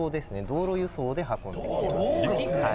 道路輸送で運んできてます。